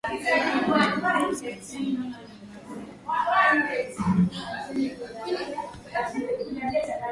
na na kuuza rasilimali za afrika kama madini kama ilivyokuwa inafanyika huka afrika magharibi